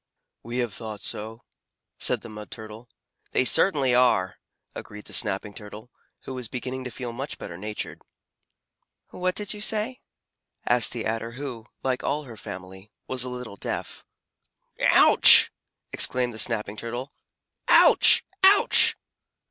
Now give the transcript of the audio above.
"We have thought so," said the Mud Turtle. "They certainly are," agreed the Snapping Turtle, who was beginning to feel much better natured. "What did you say?" asked the Adder who, like all her family, was a little deaf. "Ouch!" exclaimed the Snapping Turtle. "Ouch! Ouch!"